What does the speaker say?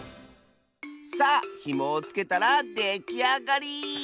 さあひもをつけたらできあがり！